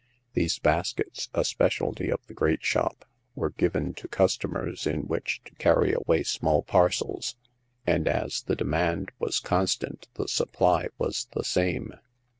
These baskets— a speciaHty of the great shop — were given to customers in which to carry away small parcels ; and as the demand was constant, the supply was the same.